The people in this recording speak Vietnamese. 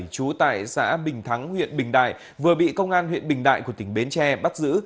trú tại xã bình thắng huyện bình đại vừa bị công an huyện bình đại của tỉnh bến tre bắt giữ